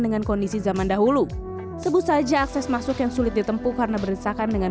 dengan kondisi zaman dahulu sebut saja akses masuk yang sulit ditempuh karena berdesakan dengan